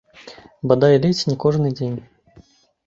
Бадай ледзь не кожны дзень.